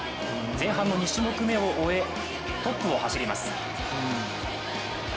前半の２種目めを終えトップを走ります。